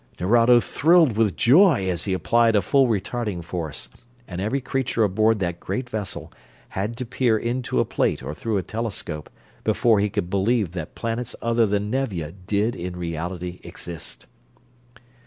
Nerado thrilled with joy as he applied a full retarding force, and every creature aboard that great vessel had to peer into a plate or through a telescope, before he could believe that planets other than Nevia did in reality exist!